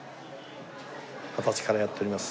二十歳からやっております。